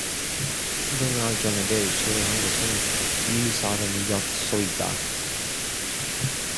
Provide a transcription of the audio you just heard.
그날 저녁에 실례한 것은 이 사람이었소이다.